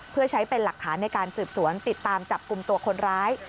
เพื่อใช้เป็นหลักฐานในการสืบสวนติดตามจับกลุ่มตัวคนร้าย